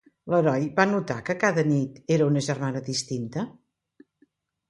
L'heroi va notar que cada nit era una germana distinta?